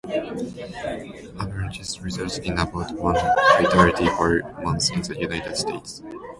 Avalanches result in about one fatality per month in the United States.